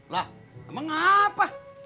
lah emang apa